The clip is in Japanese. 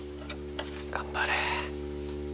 頑張れ！